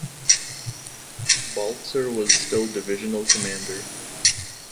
Baltzer was still divisional commander.